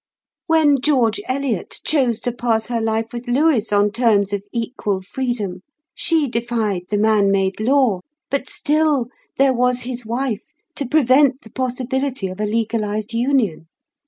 When George Eliot chose to pass her life with Lewes on terms of equal freedom, she defied the man made law; but still, there was his wife to prevent the possibility of a legalised union.